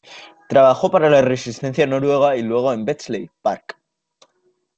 Trabajó para la resistencia noruega y luego en Bletchley Park.